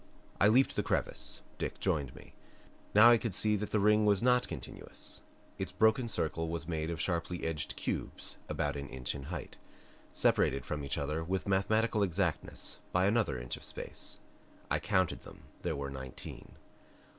I leaped the crevice; Dick joined me. Now I could see that the ring was not continuous. Its broken circle was made of sharply edged cubes about an inch in height, separated from each other with mathematical exactness by another inch of space. I counted them there were nineteen.